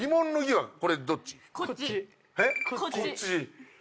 こっち